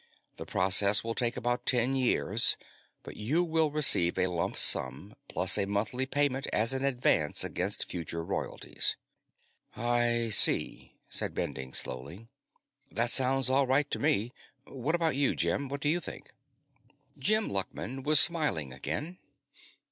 The process will take about ten years, but you will receive a lump sum, plus a monthly payment, as an advance against future royalties." "I see," said Bending slowly. "That sounds all right to me. What about you, Jim? What do you think?" Jim Luckman was smiling again.